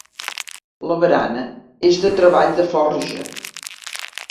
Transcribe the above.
La barana és de treball de forja.